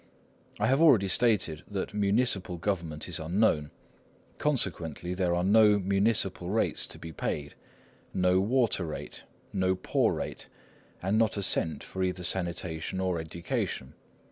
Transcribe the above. I have already stated that municipal government is unknown; consequently there are no municipal rates to be paid, no water rate, no poor rate, and not a cent for either sanitation or education.